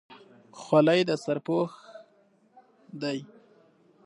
خولۍ د سر پوښ دی.